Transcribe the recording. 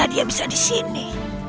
mana dia bisa disini